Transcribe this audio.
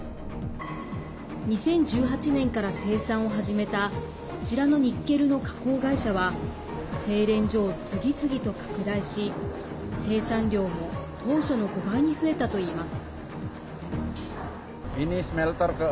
２０１８年から生産を始めたこちらのニッケルの加工会社は製錬所を次々と拡大し、生産量も当初の５倍に増えたといいます。